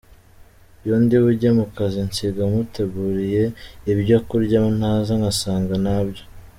Iyo ndi bujye mu kazi nsiga muteguriye ibyo kurya naza ngasanga ntabyo.